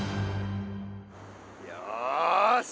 よし！